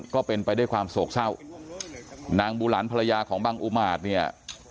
ก็เป็นไปด้วยความโศกเศร้านางบูหลันภรรยาของบังอุมาตเนี่ย